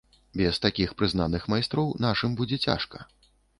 Без такіх прызнаных майстроў нашым будзе цяжка.